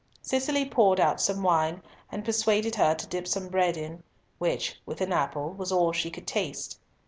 Cicely poured out some wine, and persuaded her to dip some bread in, which, with an apple, was all she could taste.